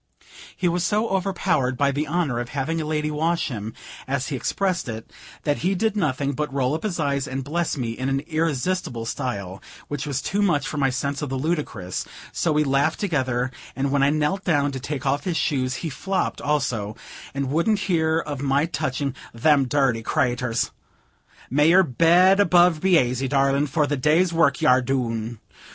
He was so overpowered by the honor of having a lady wash him, as he expressed it, that he did nothing but roll up his eyes, and bless me, in an irresistible style which was too much for my sense of the ludicrous; so we laughed together, and when I knelt down to take off his shoes, he "flopped" also and wouldn't hear of my touching "them dirty craters. May your bed above be aisy darlin', for the day's work ye ar doon!